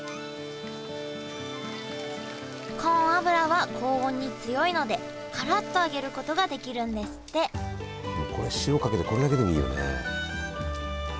コーン油は高温に強いのでカラっと揚げることができるんですってもうこれ塩かけてこれだけでもいいよね。